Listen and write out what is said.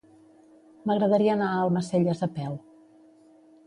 M'agradaria anar a Almacelles a peu.